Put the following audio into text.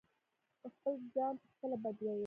په خپل ځان په خپله بد وئيل